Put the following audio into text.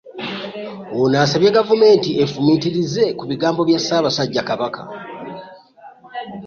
Ono asabye gavumenti efumiitirize ku bigambo bya Ssaabasajja Kabaka